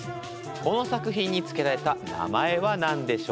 この作品に付けられた名前は何でしょうか？